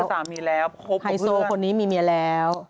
ไฮโซตาม่ายสาวคนนี้มีเมียแล้ว